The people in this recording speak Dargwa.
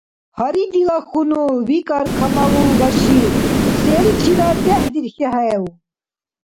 – Гьари, дила хьунул, – викӀар Камалул Башир, – селичирад дехӀдирхьехӀев?